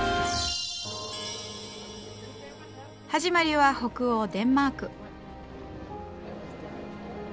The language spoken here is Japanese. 始まりは北欧デンマーク。